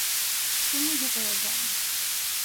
তুমি ভেতরে যাও।